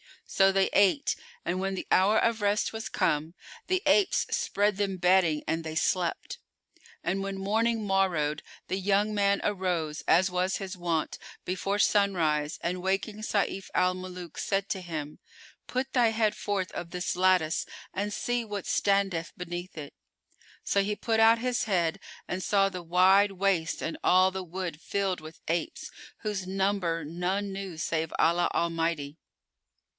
So they ate; and when the hour of rest was come, the apes spread them bedding and they slept. And when morning morrowed, the young man arose, as was his wont, before sunrise and waking Sayf al Muluk said to him, "Put thy head forth of this lattice and see what standeth beneath it." So he put out his head and saw the wide waste and all the wold filled with apes, whose number none knew save Allah Almighty.